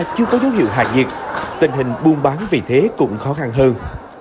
chưa có dấu hiệu hạ nhiệt tình hình buôn bán vì thế cũng khó khăn hơn